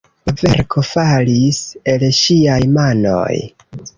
La verko falis el ŝiaj manoj.